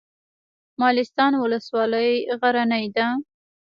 مالستان ولسوالۍ غرنۍ ده؟